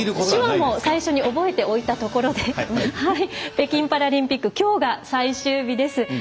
手話も、最初に覚えておいたところで北京パラリンピックきょうが最終日です。